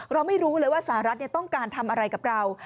เราไม่รู้เลยว่าสหรัฐต้องการทำอะไรกับเรา